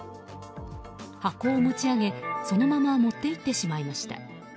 箱を持ち上げ、そのまま持って行ってしまいました。